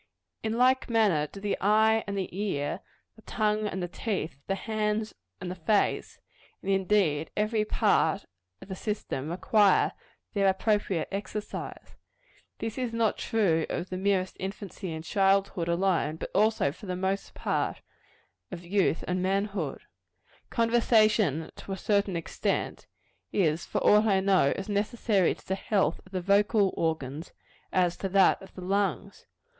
In like manner do the eye and the ear, the tongue and the teeth, the hands and the face and indeed every part of the system require their appropriate exercise. This is not true of the merest infancy and childhood alone, but also, for the most part, of youth and manhood. Conversation, to a certain extent, is, for aught I know, as necessary to the health of the vocal organs, as to that of the lungs.